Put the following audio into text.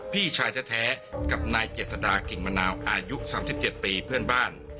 พี่ชายแท้กับนายเจษฎากิ่งมะนาวอายุ๓๗ปีเพื่อนบ้าน